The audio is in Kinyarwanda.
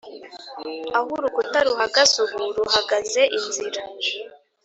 aho urukuta ruhagaze ubu ruhagaze inzira